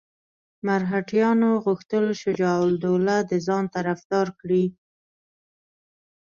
مرهټیانو غوښتل شجاع الدوله د ځان طرفدار کړي.